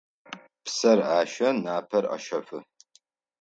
Псэр ащэ, напэр ащэфы.